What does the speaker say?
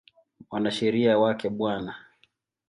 Mwanasheria wake Bw.